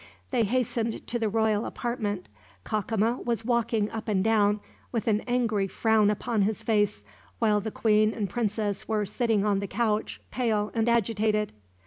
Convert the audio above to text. They hastened to the royal apartment. Cacama was walking up and down, with an angry frown upon his face; while the queen and princess were sitting on the couch, pale and agitated.